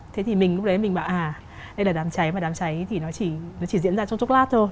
thế thì lúc đấy mình bảo à đây là đám cháy và đám cháy thì nó chỉ diễn ra trong chốc lát thôi